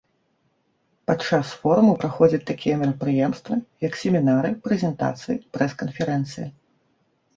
Падчас форуму праходзяць такія мерапрыемствы, як семінары, прэзентацыі, прэс-канферэнцыі.